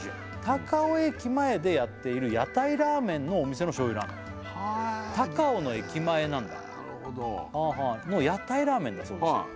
高尾駅前でやっている屋台ラーメンのお店の醤油ラーメン高尾の駅前なんだなるほど屋台ラーメンだそうです